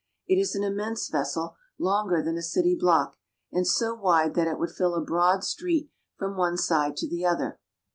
It is an immense vessel, longer than a city block, and so wide that it would fill a broad street from one side to the other.